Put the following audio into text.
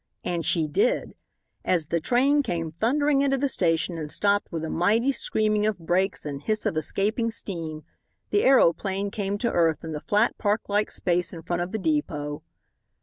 And she did. As the train came thundering into the station and stopped with a mighty screaming of brakes and hiss of escaping steam, the aeroplane came to earth in the flat park like space in front of the depot.